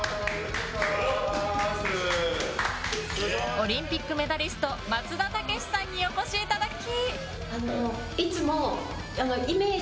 オリンピックメダリスト松田丈志さんにお越しいただき。